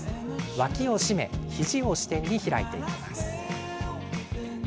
脇を締め肘を支点に開いていきます。